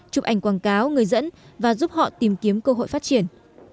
chụp ảnh quảng cáo người dẫn và giúp họ tìm kiếm cơ hội phát triển